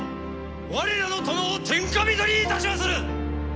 我らの殿を天下人にいたしまする！